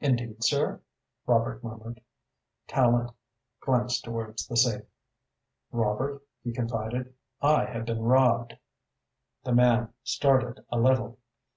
"Indeed, sir?" Robert murmured. Tallente glanced towards the safe. "Robert," he confided, "I have been robbed." The man started a little.